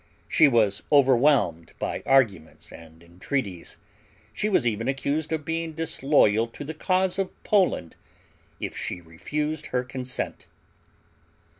She was overwhelmed by arguments and entreaties. She was even accused of being disloyal to the cause of Poland if she refused her consent.